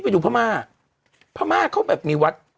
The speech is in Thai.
แบบพระม่าเธอมีวัด